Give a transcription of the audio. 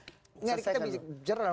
tidak kita bisa menjelaskan